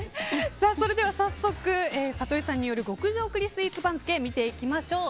それでは早速里井さんによる極上栗スイーツ番付見ていきましょう。